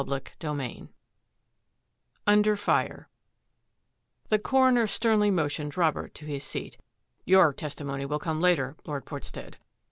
CHAPTER XX UNDER FIRE The coroner sternly motioned Robert to his seat. " Your testimony will come later, Lord Port stead.